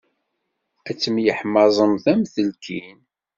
Ad temyeḥmaẓemt am telkin.